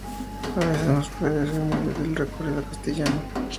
A veces nos puede ser muy útil recurrir al castellano.